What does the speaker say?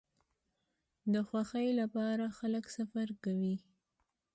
د خوښۍ لپاره خلک سفر کوي.